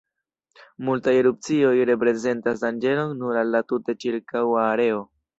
Multaj erupcioj reprezentas danĝeron nur al la tute ĉirkaŭa areo.